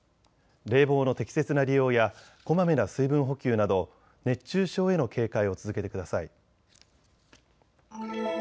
冷房の適切な利用やこまめな水分補給など熱中症への警戒を続けてください。